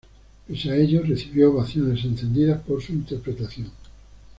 Pese a ello, recibió ovaciones encendidas por su interpretación.